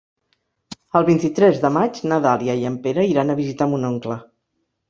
El vint-i-tres de maig na Dàlia i en Pere iran a visitar mon oncle.